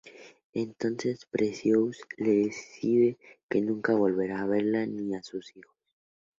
Entonces Precious le dice que nunca volverá a verla ni a sus hijos.